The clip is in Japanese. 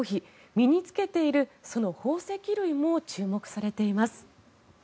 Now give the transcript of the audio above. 身に着けているその宝石類も注目されています。